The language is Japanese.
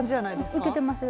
うんいけてます。